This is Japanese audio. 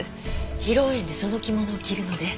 披露宴でその着物を着るので。